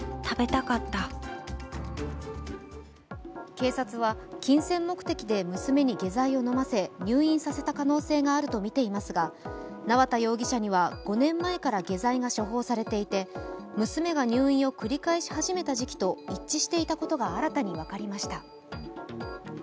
警察は、金銭目的で娘に下剤を飲ませ入院させた可能性があるとみていますが、縄田容疑者には５年前から下剤が処方されていて娘が入院を繰り返し始めた時期と一致していたことが新たに分かりました。